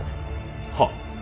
はっ。